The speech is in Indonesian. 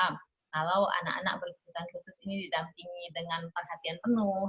kalau anak anak berkebutuhan khusus ini didampingi dengan perhatian penuh